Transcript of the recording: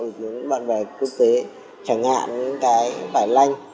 những bạn bè quốc tế chẳng hạn những cái vải lanh